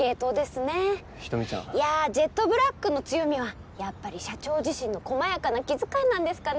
人見ちゃんいやージェットブラックの強みはやっぱり社長自身のこまやかな気遣いなんですかね